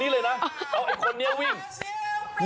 วิ่งแล้วก็พาผ้าแพร่ที่ผูกติดกับว้าว